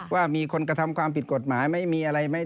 ว่ามีคนกระทำความผิดกฎหมายไหมมีอะไรไหม